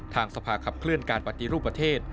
ทางสภาขับเคลื่อนการปฏิรูปประเทศ